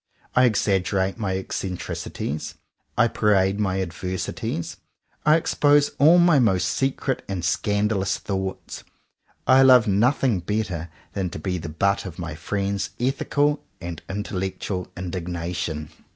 I exag gerate my eccentricities; I parade my ad versities; I expose all my most secret and scandalous thoughts. I love nothing better than to be the butt of my friends' ethical and intellectual indignation.